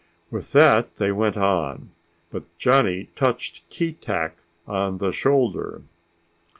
With that they went on, but Johnny touched Keetack on the shoulder.